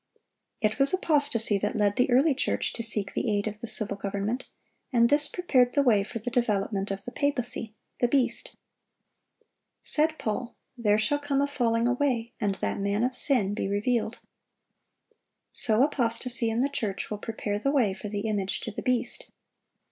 It was apostasy that led the early church to seek the aid of the civil government, and this prepared the way for the development of the papacy,—the beast. Said Paul, "There" shall "come a falling away, ... and that man of sin be revealed."(744) So apostasy in the church will prepare the way for the image to the beast.